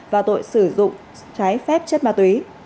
và tội sử dụng trái phép chất ma túy